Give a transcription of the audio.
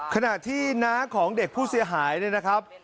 ขณะที่น้าของเด็กผู้เสียหายเนี่ยนะครับ